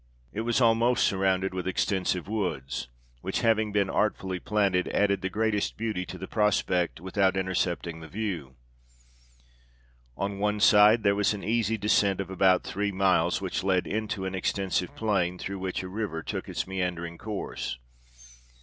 It was almost surrounded with extensive woods ; which, having been artfully planted, added the greatest beauty to the prospect, without intercepting the view. On one side there was an easy descent of about three miles, which led into an extensive plain, through which a river took its meandering course.